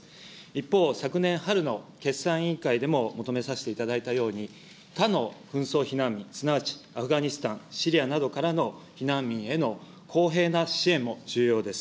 一方、昨年春の決算委員会でも求めさせていただいたように、他の紛争避難民、すなわち、アフガニスタン、シリアなどからの避難民への公平な支援も重要です。